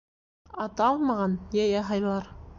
Ата алмаған йәйә һайлар.